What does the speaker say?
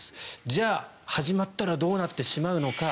じゃあ、始まったらどうなってしまうのか。